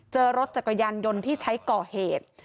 เจอรถจักรยานยนต์ที่ใช้ก่อเหตุ